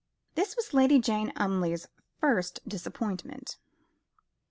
This was Lady Jane Umleigh's first disappointment.